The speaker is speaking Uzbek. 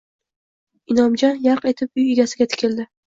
Inomjon yarq etib uy egasiga tikildi